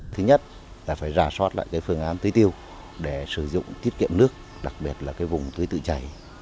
thứ nhất là phải ra soát lại cái phương án tưới tiêu để sử dụng tiết kiệm nước đặc biệt là vùng tưới tự chảy